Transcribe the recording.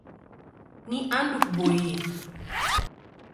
Ni andu kuboie.